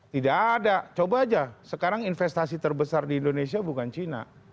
tidak ada coba aja sekarang investasi terbesar di indonesia bukan cina